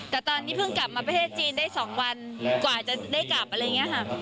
แต่ตอนนี้เพิ่งกลับมาประเทศจีนได้๒วันกว่าจะได้กลับอะไรอย่างนี้ค่ะ